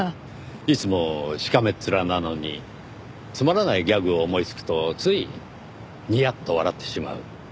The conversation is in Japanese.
いつもしかめっ面なのにつまらないギャグを思いつくとついニヤッと笑ってしまう。